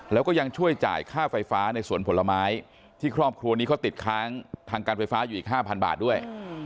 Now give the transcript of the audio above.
แล้วก็ยังช่วยจ่ายค่าไฟฟ้าในสวนผลไม้ที่ครอบครัวนี้เขาติดค้างทางการไฟฟ้าอยู่อีก๕๐๐บาทด้วย